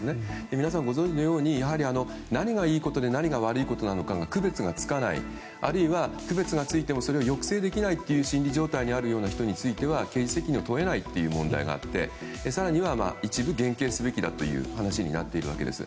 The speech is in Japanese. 皆さんご存じのように何がいいことで何が悪いことなのかが区別がつかないあるいは区別がついてもそれを抑制できない心理状態にある人については刑事責任を問えないという問題があって更には、一部減刑すべきだという話になっているわけです。